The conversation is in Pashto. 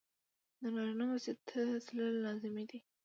د نارينه مسجد ته تلل لازمي دي.